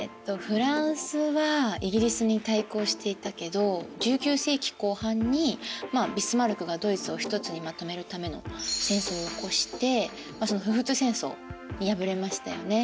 フランスはイギリスに対抗していたけど１９世紀後半にビスマルクがドイツをひとつにまとめるための戦争を起こして普仏戦争に敗れましたよね。